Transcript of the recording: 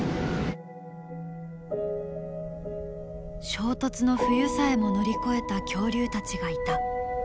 「衝突の冬さえも乗り越えた恐竜たちがいた」